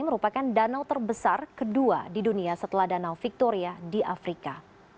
merupakan danau terbesar kedua di dunia setelah danau victoria di afrika